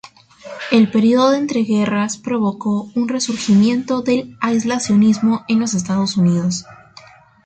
El período de entreguerras provocó un resurgimiento del aislacionismo en los Estados Unidos.